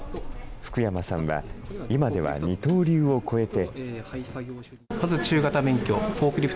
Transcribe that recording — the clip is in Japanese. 福山さんは今では二刀流を超えて。